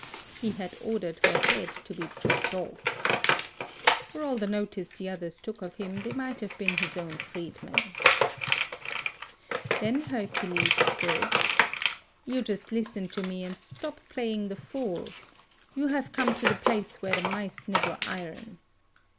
He had ordered her head to be chopped off. For all the notice the others took of him, they might have been his own freedmen. Then Hercules said, "You just listen to me, and 7 stop playing the fool. You have come to the place where the mice nibble iron.